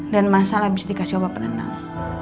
dan masal habis dikasi obat penenang